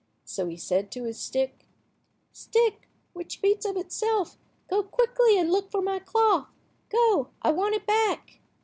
So he said to his stick— "Stick, which beats of itself, go quickly and look for my cloth. Go, I want it back."